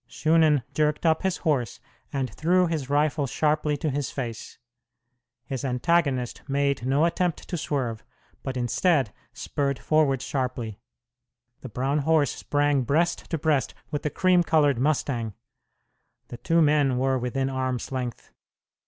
Shunan jerked up his horse and threw his rifle sharply to his face. His antagonist made no attempt to swerve, but instead spurred forward sharply. The brown horse sprang breast to breast with the cream colored mustang. The two men were within arm's length.